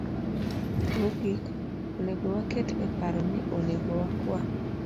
Mogik, onego waket e paro ni onego wakwa